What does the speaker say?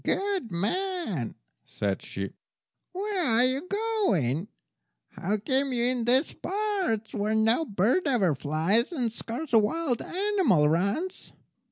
"Good man," said she, "where are you going? How came you in these parts, where no bird ever flies, and scarce a wild animal runs?"